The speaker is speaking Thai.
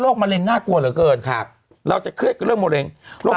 มะเร็งน่ากลัวเหลือเกินครับเราจะเครียดกับเรื่องมะเร็งโรค